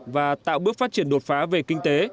và tạo bước phát triển đột phá về kinh tế